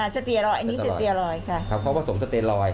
ใช่แล้วเขาผสมสเตยรอย